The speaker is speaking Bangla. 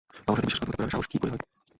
আমার সাথে বিশ্বাসঘাতকতা করার সাহস কি করে হয়!